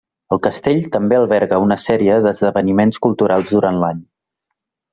El castell també alberga una sèrie d'esdeveniments culturals durant l'any.